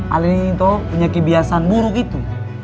alih ini tuh punya kebiasaan buruk itu